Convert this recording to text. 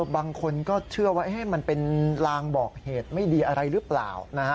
บางคนก็เชื่อว่ามันเป็นลางบอกเหตุไม่ดีอะไรหรือเปล่า